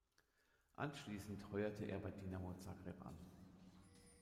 Anschließend heuerte er bei Dinamo Zagreb an.